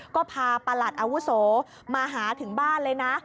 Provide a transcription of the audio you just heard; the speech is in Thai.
ก็พาประหลัดอาวุโสมาหาถึงบ้านเลยนะ